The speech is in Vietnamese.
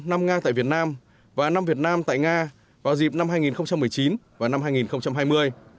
năm nga tại việt nam và năm việt nam tại nga vào dịp năm hai nghìn một mươi chín và năm hai nghìn hai mươi